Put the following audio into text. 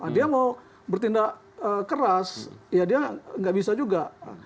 dia mau bertindak keras ya dia nggak bisa juga